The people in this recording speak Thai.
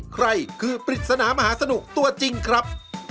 ใครคือปริศนามหาสนุกตัวจริงครับ